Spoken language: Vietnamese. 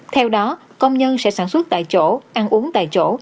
theo đó công nhân sẽ sản xuất tại chỗ ăn uống tại chỗ